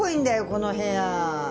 この部屋。